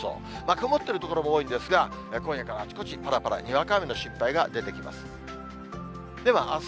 曇っている所も多いんですが、今夜からあちこちぱらぱらにわか雨の心配が出てきます。